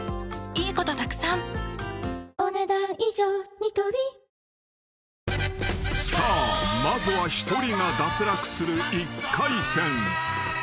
ニトリ［さあまずは１人が脱落する１回戦］